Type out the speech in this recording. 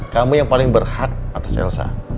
kamu yang paling berhak atas selsa